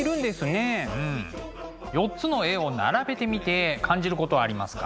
４つの絵を並べてみて感じることありますか？